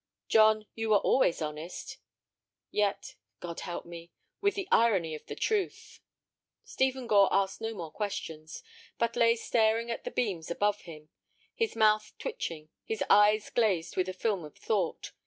"John, you were always honest. Yet—God help me—with the irony of the truth." Stephen Gore asked no more questions, but lay staring at the beams above him, his mouth twitching, his eyes glazed with a film of thought.